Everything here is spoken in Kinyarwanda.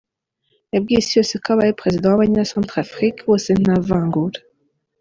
Yabwiye isi yose ko abaye Perezida wa abanya Centrafrique bose nta vangura.